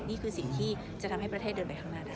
นี่คือสิ่งที่จะทำให้ประเทศเดินไปข้างหน้าได้